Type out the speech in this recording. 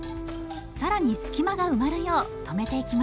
更に隙間が埋まるよう留めていきます。